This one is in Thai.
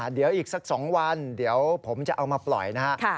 เดี๋ยวอีกสัก๒วันเดี๋ยวผมจะเอามาปล่อยนะฮะ